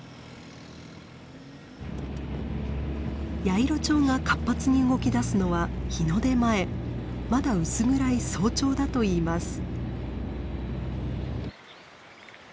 ヤイロチョウが活発に動きだすのは日の出前まだ薄暗い早朝だといいます。